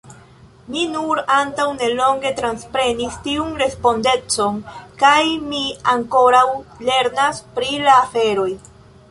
Mi nur antaŭ nelonge transprenis tiun respondecon kaj mi ankoraŭ lernas pri la aferoj.